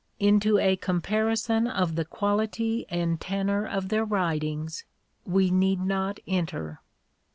Into a comparison of the quality and tenor of their writings we need not enter.